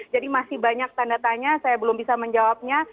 jadi masih banyak tanda tanya saya belum bisa menjawabnya